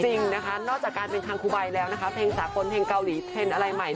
จริงนะคะนอกจากการเป็นคังคุใบแล้วนะคะเพลงสากลเพลงเกาหลีเทรนด์อะไรใหม่